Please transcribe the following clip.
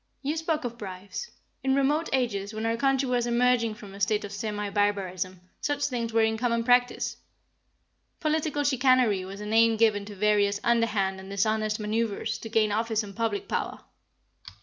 "You spoke of bribes. In remote ages, when our country was emerging from a state of semi barbarism, such things were in common practice. Political chicanery was a name given to various underhand and dishonest maneuvers to gain office and public power.